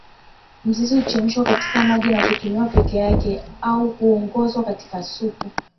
Mzizi huchemshwa katika maji na kutumiwa peke yake au huongezwa katika supu